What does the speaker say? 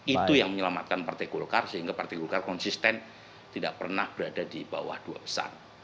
itu yang menyelamatkan partai golkar sehingga partai golkar konsisten tidak pernah berada di bawah dua besar